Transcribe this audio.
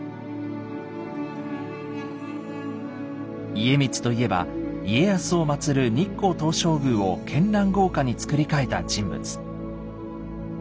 家光と言えば家康をまつる日光東照宮を絢爛豪華に造り替えた人物。